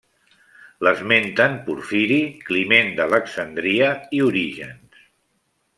L'esmenten Porfiri, Climent d'Alexandria i Orígens.